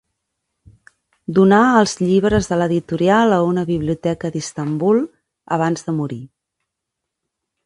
Donà els llibres de l'editorial a una biblioteca d'Istanbul abans de morir.